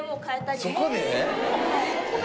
そこで！？